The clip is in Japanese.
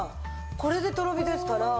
これでとろ火ですから。